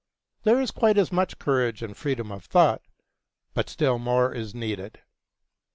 There is quite as much courage and freedom of thought, but still more is needed.